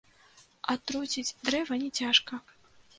Атруціць дрэва не цяжка.